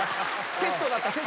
セットだった。